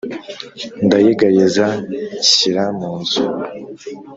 ndayegayeza nshyira mu nzu !